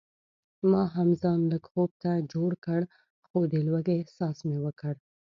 ما هم ځان لږ خوب ته جوړ کړ خو د لوږې احساس مې وکړ.